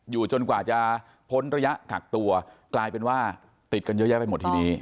จนกว่าจะพ้นระยะกักตัวกลายเป็นว่าติดกันเยอะแยะไปหมดทีนี้